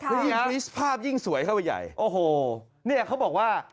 ใช่ภาพยิ่งสวยเข้าใหญ่โอ้โหเนี่ยเขาบอกว่า